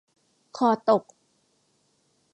คอตก